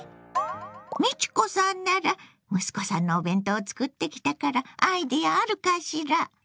美智子さんなら息子さんのお弁当を作ってきたからアイデアあるかしら？